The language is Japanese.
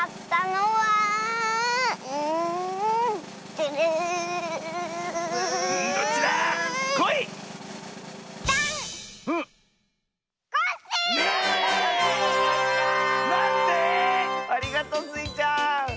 なんで⁉ありがとうスイちゃん！